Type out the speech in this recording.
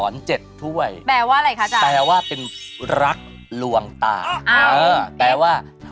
เรียกว่ารักลวงตา